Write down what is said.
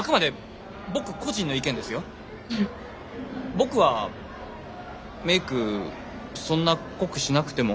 僕はメイクそんな濃くしなくても。